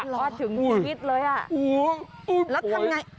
ลอดถึงเอวอุ้ย